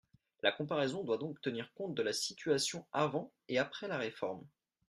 La comparaison doit donc tenir compte de la situation avant et après la réforme.